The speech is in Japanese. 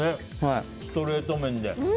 ストレート麺で。